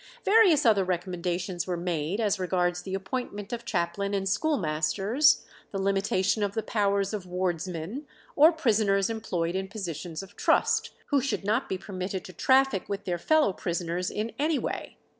Various other recommendations were made as regards the appointment of chaplain and schoolmasters; the limitation of the powers of wardsmen, or prisoners employed in positions of trust, who should not be permitted to traffic with their fellow prisoners in any way.